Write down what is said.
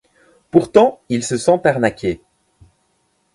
Pourtant, il se sent arnaqué.